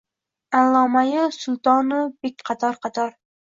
Аlloma-yu, sulton-u bek qator-qator.